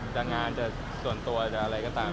แต่งานแต่ส่วนตัวแต่อะไรก็ตาม